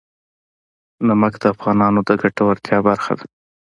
نمک د افغانانو د ګټورتیا برخه ده.